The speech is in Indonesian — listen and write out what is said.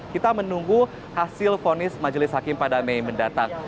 kita menunggu hasil fonis majelis hakim pada mei mendatang